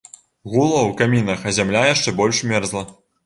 Гуло ў камінах, а зямля яшчэ больш мерзла.